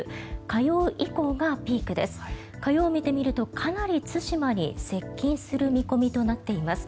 火曜を見てみると、かなり対馬に接近する見込みとなっています。